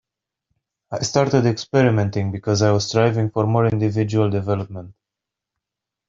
I started experimenting because I was striving for more individual development.